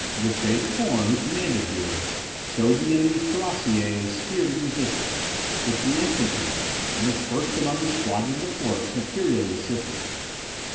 Gustavus Horn, who commanded here, showed the enemy's cuirassiers a spirited resistance, which the infantry, interspersed among the squadrons of horse, materially assisted.